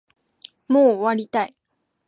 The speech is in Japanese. もう終わりたい